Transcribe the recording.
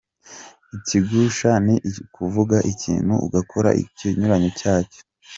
Ikigusha ni ukuvuga ikintu ugakora ikinyuranyo cyacyo.